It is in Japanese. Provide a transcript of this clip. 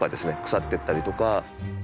腐っていったりとか。